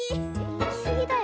いきすぎだよ